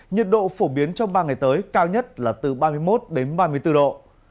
nhiệt độ phổ biến trong ba ngày tới cao nhất là từ ba mươi một đến ba mươi bốn độ